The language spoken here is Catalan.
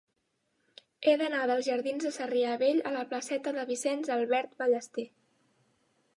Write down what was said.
He d'anar dels jardins de Sarrià Vell a la placeta de Vicenç Albert Ballester.